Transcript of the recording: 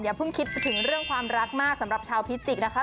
เพิ่งคิดถึงเรื่องความรักมากสำหรับชาวพิจิกษ์นะคะ